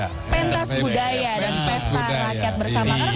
pentas budaya dan pesta rakyat bersama